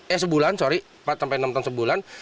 eh sebulan sorry empat sampai enam ton sebulan